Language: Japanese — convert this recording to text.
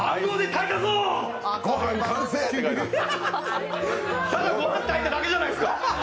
ただ御飯炊いただけじゃないですか！